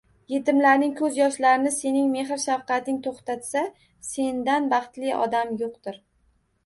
Yetimlarning ko'z yoshlarini sening mehr-shafqating to'xtatsa, sendan baxtli odam yo'qdir.